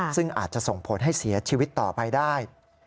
ซึ่งอาจจะส่งผลให้เสียชีวิตต่อไปได้